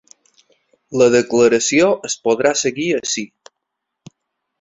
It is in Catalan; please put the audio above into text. La declaració es podrà seguir ací.